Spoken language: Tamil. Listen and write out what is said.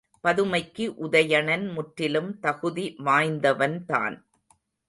பதுமைக்கு உதயணன் முற்றிலும் தகுதி வாய்ந்தவன்தான்.